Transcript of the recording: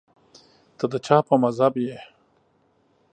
ته د چا په مذهب یې